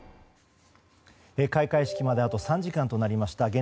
開会式まであと３時間となりました。